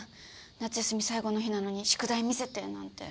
夏休み最後の日なのに宿題見せてなんて。